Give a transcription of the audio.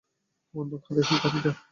বন্দুক হাতে শিকারীরা!